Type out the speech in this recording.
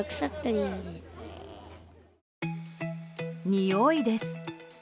においです。